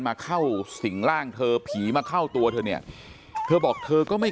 มาเข้าสิ่งร่างเธอผีมาเข้าตัวเธอเนี่ยเธอบอกเธอก็ไม่